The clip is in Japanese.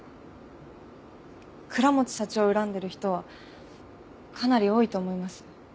倉持社長を恨んでる人はかなり多いと思います。